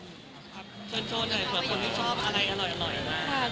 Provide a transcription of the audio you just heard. เชิญโชว์หน่อยครับคนที่ชอบอะไรอร่อยอ่ะนะคะ